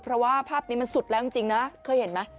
เพราะว่าภาพนี้มันสุดแล้วจริงนะเคยเห็นไหม